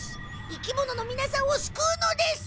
生き物のみなさんをすくうのです。